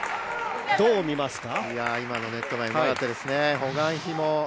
どう見ますか？